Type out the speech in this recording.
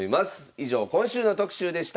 以上今週の特集でした。